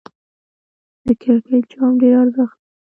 د کرکټ جام ډېر ارزښت لري.